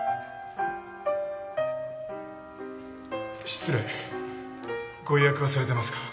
失礼ご予約はされてますか？